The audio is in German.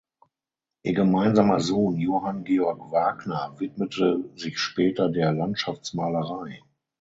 Ihr gemeinsamer Sohn Johann Georg Wagner widmete sich später der Landschaftsmalerei.